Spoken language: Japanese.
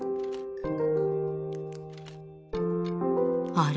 あれ？